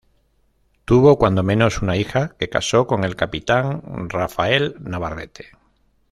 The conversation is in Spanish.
Tuvo cuando menos una hija, que casó con el capitán Rafael Navarrete.